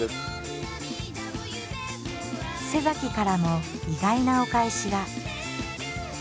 からも意外なお返しが。